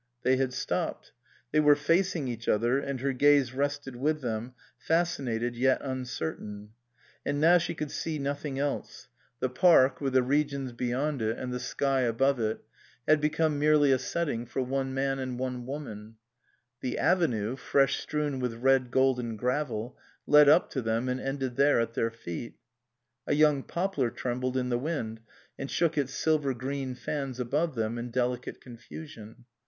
They had stopped ; they were facing each other, and her gaze rested with them, fascinated yet uncertain. And now she could see nothing else ; the park, with the 324 CAUTLEY SENDS IN HIS BILL regions beyond it and the sky above it, had become merely a setting for one man and one woman ; the avenue, fresh strewn with red golden gravel, led up to them and ended there at their feet ; a young poplar trembled in the wind and shook its silver green fans above them in delicate confusion.